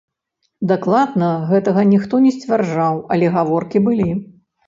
Дакладна гэтага ніхто не сцвярджаў, але гаворкі былі.